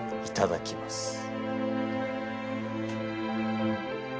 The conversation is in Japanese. いただきます。